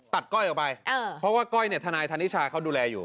ก้อยออกไปเพราะว่าก้อยเนี่ยทนายธนิชาเขาดูแลอยู่